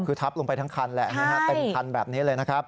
คือทับลงไปทั้งคันแหละเต็มคันแบบนี้เลยนะครับ